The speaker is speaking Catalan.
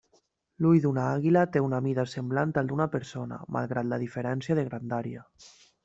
L'ull d'una àguila té una mida semblant al d'una persona, malgrat la diferència de grandària.